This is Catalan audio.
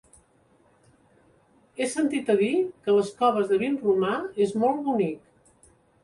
He sentit a dir que les Coves de Vinromà és molt bonic.